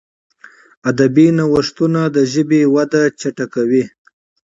ادبي نوښتونه د ژبي وده چټکوي.